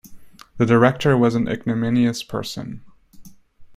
The director was an ignominious person.